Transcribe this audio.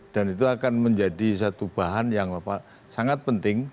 dan itu akan menjadi satu bahan yang sangat penting